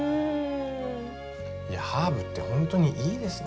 いやハーブって本当にいいですね。